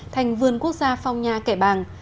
thành vườn quốc gia phong nha kẻ bàng